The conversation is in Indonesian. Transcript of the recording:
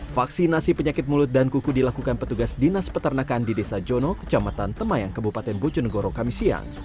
vaksinasi penyakit mulut dan kuku dilakukan petugas dinas peternakan di desa jono kecamatan temayang kabupaten bojonegoro kamisiyang